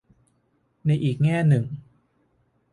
ในอีกแง่หนึ่ง